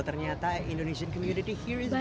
ternyata komunitas indonesia di sini sangat besar